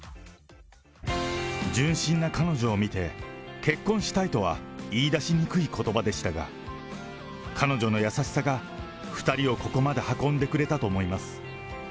純真な彼女を見て、結婚したいとは言い出しにくいことばでしたが、彼女の優しさが２人をここまで運んでくれたと思います。